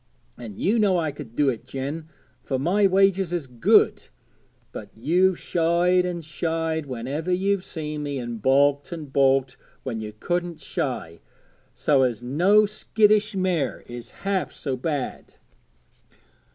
And you know I could do it, Jen, for my wages is good; but you've shied an' shied whenever you've seen me, and baulked an' baulked when you couldn't shy, so as no skittish mare is half so bad.'